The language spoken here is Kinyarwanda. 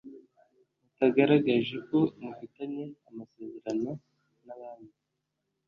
mutagaragaje ko mufitanye amasezerano na banki